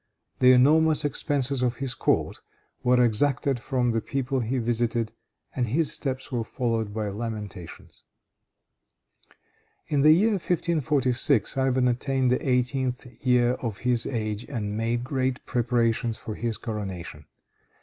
The enormous expenses of his court were exacted from the people he visited, and his steps were followed by lamentations. In the year 1546, Ivan attained the eighteenth year of his age, and made great preparations for his coronation.